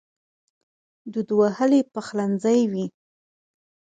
دود وهلی پخلنځی وي